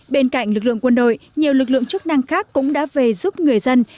bên cạnh lực lượng quân đội nhiều lực lượng chức năng khác cũng đã về giúp người dân